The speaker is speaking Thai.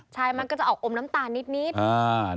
ใช่มันก็จะออกอมน้ำตาลนิด